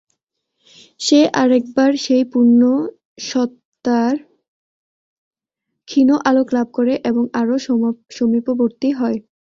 সে আর একবার সেই পূর্ণসত্তার ক্ষীণ আলোক লাভ করে এবং আরও সমীপবর্তী হয়।